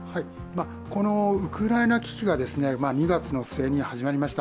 このウクライナ危機が２月の末に始まりました。